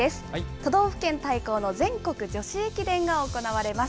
都道府県対抗の全国女子駅伝が行われます。